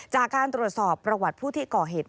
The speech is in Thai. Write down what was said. จากการตรวจสอบประวัติผู้ที่ก่อเหตุ